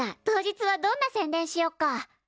当日はどんな宣伝しよっか？